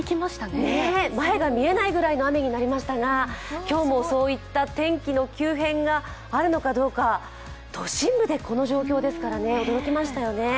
前が見えないぐらいの雨になりましたが今日もそういった天気の急変があるのかどうか、都心部でこの状況ですから驚きましたよね。